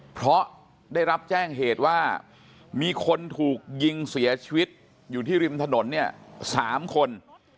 เพราะได้รับแจ้งเหตุว่ามีคนถูกยิงเสียชีวิตอยู่ที่ริมถนนเนี่ย๓คน